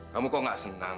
kamu kok gak senang